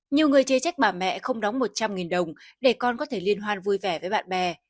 nhiều người chê trách bà mẹ không đóng một trăm linh đồng để con có thể liên hoan vui vẻ với bạn bè